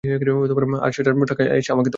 আর সেটার টাকা এসে আমাকে দেও।